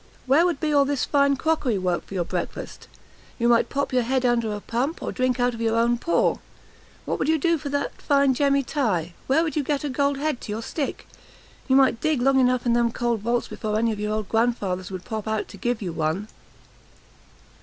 Where would be all this fine crockery work for your breakfast? you might pop your head under a pump, or drink out of your own paw; what would you do for that fine jemmy tye? Where would you get a gold head to your stick? You might dig long enough in them cold vaults before any of your old grandfathers would pop out to give you one."